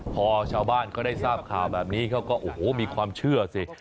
พอชาวบ้านเขาได้ทราบข่าวแบบนี้เขาก็โอ้โหมีความเชื่อสิ